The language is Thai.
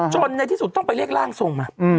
ในที่สุดต้องไปเรียกร่างทรงมา